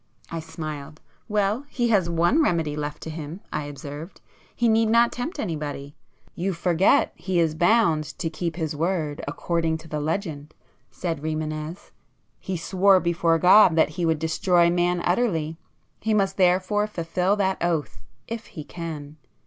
I smiled. "Well he has one remedy left to him"—I observed—"He need not tempt anybody." "You forget!—he is bound to keep his word, according to the legend"—said Rimânez—"He swore before God that he would destroy Man utterly,—he must therefore fulfil that oath, if he can.